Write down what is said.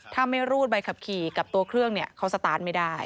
ถ้าไม่รูดใบขับขี่กับตัวเครื่องเนี่ยเขาสตาร์ทไม่ได้